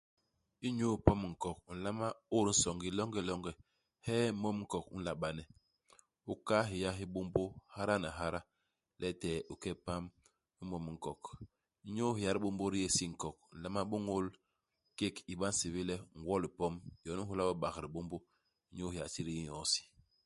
Inyu ipom nkok, u nlama ôt nsongi longelonge ; hee mom u nkok u nla bane ; u kahal héya hibômbô hyada ni hyada, letee u ke u pam i mom u nkok. Inyu ihéya dibômbô di yé i si nkok, u nlama bôñôl kék i ba nsébél le ngwo-lipom, yon i nhôla we ibak dibômbô, inyu ihéya ti di yé nyoo i si.